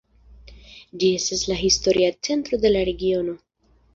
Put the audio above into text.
Ĝi estas la historia centro de la regiono.